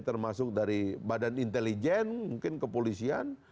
termasuk dari badan intelijen mungkin kepolisian